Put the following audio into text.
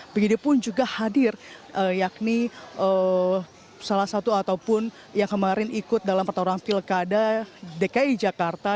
begitu pun juga hadir yakni salah satu ataupun yang kemarin ikut dalam pertarungan pilkada dki jakarta